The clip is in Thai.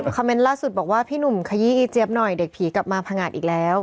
เมนต์ล่าสุดบอกว่าพี่หนุ่มขยี้อีเจี๊ยบหน่อยเด็กผีกลับมาพังงาดอีกแล้ว